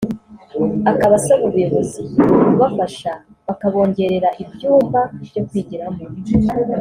akaba asaba ubuyobozi kubafasha bakabongerera ibyumba byo kwigiramo